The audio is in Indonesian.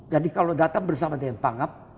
jadi kalau datang bersama dengan pangap